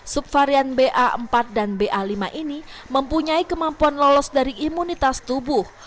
subvarian ba empat dan ba lima ini mempunyai kemampuan lolos dari imunitas tubuh